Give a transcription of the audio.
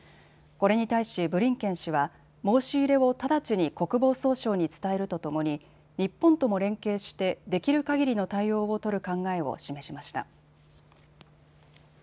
これに対しブリンケン氏は申し入れを直ちに国防総省に伝えるとともに日本とも連携してできるかぎりの対応を取る考えを示しました。